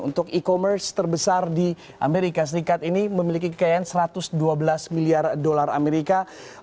untuk e commerce terbesar di amerika serikat ini memiliki kekayaan satu ratus dua belas miliar dolar amerika